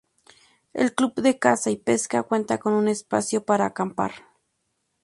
El Club de Caza y Pesca cuenta con un espacio para acampar.